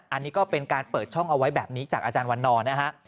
อันนี้ก็เป็นการเปิดช่องเอาไว้แบบนี้จากอาจารย์วันนอนนะฮะ